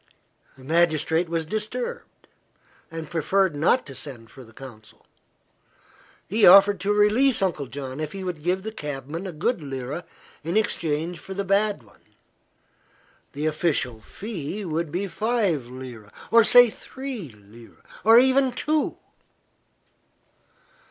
The magistrate was disturbed, and preferred not to send for the consul. He offered to release Uncle John if he would give the cabman a good lira in exchange for the bad one. The official fee would be five lira or say three lira or even two.